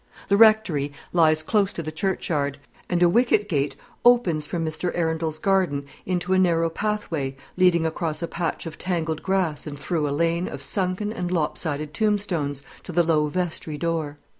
The Rectory lies close to the churchyard; and a wicket gate opens from Mr. Arundel's garden into a narrow pathway, leading across a patch of tangled grass and through a lane of sunken and lopsided tombstones, to the low vestry door.